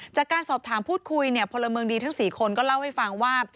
จากการสอบถามพูดคุยเนี่ยพลเมืองดีทั้ง๔คนก็เล่าให้ฟังว่า